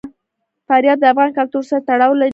فاریاب د افغان کلتور سره تړاو لري.